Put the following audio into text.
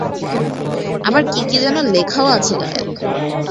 আবার কি কি যেন লেখাও আছে গায়ে।